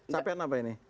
capaian apa ini